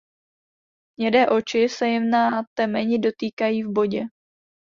Hnědé oči se jim na temeni dotýkají v bodě.